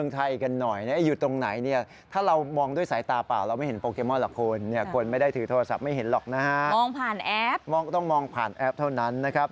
ต้องมองผ่านแอปเท่านั้นนะครับ